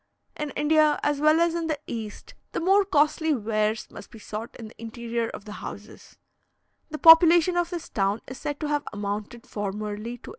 In India, as well as in the East, the more costly wares must be sought in the interior of the houses. The population of this town is said to have amounted formerly to 800,000; it is now scarcely 60,000.